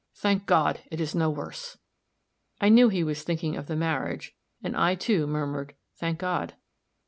Thank God, it is no worse!" I knew he was thinking of the marriage, and I, too, murmured, "Thank God."